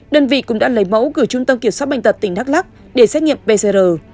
đơn vị cũng đã lấy mẫu gửi trung tâm kiểm soát bệnh tật tỉnh đắk lắc để xét nghiệm pcr